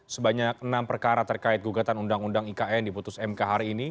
sebanyak enam perkara terkait gugatan undang undang ikn diputus mk hari ini